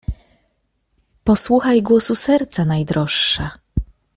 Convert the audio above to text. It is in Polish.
"Posłuchaj głosu serca, najdroższa!"